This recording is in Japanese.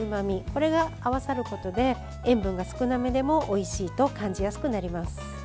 これが合わさることで塩分が少なめでもおいしいと感じやすくなります。